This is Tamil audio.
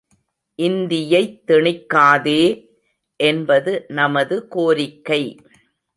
இந்தியைத் திணிக்காதே! என்பது நமது கோரிக்கை!